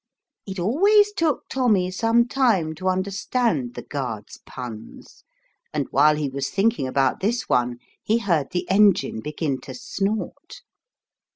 It always took Tommy some time to understand the guard's puns, and while he was thinking about this one he heard the engine begin to snort.